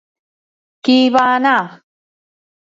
Qui hi va anar?